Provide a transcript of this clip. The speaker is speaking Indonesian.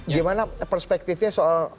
gimana perspektifnya soal